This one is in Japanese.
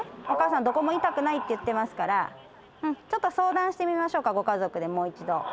おかあさんどこも痛くないって言ってますからちょっと相談してみましょうかご家族でもう一度。